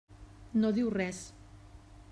No diu res.